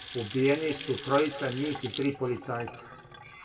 Убијени су тројица њих и три полицајца.